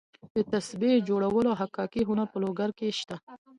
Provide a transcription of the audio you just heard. د تسبیح جوړولو او حکاکۍ هنر په لوګر کې شته.